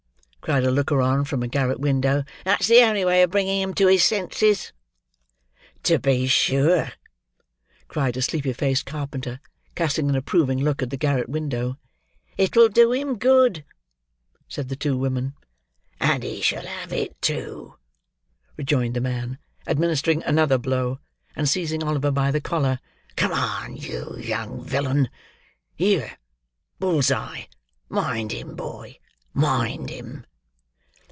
cried a looker on, from a garret window. "That's the only way of bringing him to his senses!" "To be sure!" cried a sleepy faced carpenter, casting an approving look at the garret window. "It'll do him good!" said the two women. "And he shall have it, too!" rejoined the man, administering another blow, and seizing Oliver by the collar. "Come on, you young villain! Here, Bull's eye, mind him, boy! Mind him!"